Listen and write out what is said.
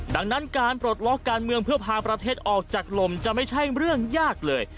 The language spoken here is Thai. ดังนั้นการปลดล็อกการเมืองเพื่อพาประเทศออกจากลมจะไม่ใช่เรื่องยากเลย